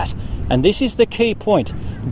dan ini adalah titik utama